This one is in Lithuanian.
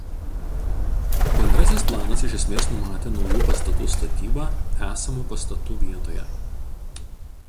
Bendrasis planas iš esmės numatė naujų pastatų statybą esamų pastatų vietoje.